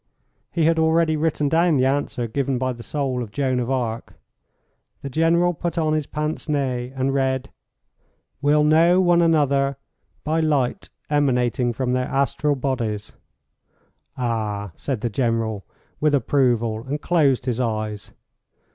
He had already written down the answer given by the soul of Joan of Arc. The General put on his pince nez and read, "Will know one another by light emanating from their astral bodies." "Ah," said the General, with approval, and closed his eyes.